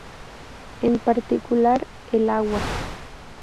En particular el agua".